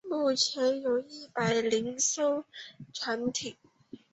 目前有一百零五艘船艇。